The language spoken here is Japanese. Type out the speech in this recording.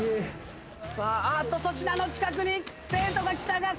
あーっと粗品の近くに生徒が来たが。